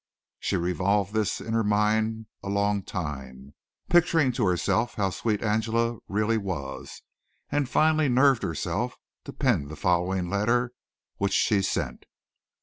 She revolved this in her mind a long time, picturing to herself how sweet Angela really was, and finally nerved herself to pen the following letter, which she sent.